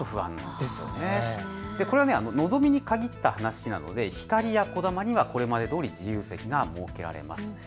これはのぞみに限った話なのでひかりやこだまにはこれまでどおり、自由席が設けられます。